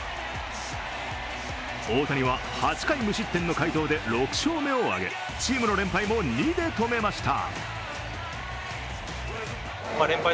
大谷は８回無失点の快投で６勝目を挙げ、チームの連敗も２で止めました。